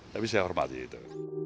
tapi saya hormati itu